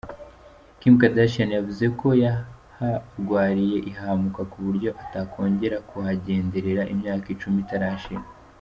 Kim Kardashian yavuze ko yaharwariye ihahamuka ku buryo atakongera kuhagenderera imyaka icumi itarashira.